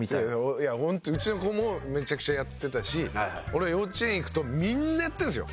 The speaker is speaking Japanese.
いやホントうちの子もめちゃくちゃやってたし俺が幼稚園行くとみんなやってるんですよ。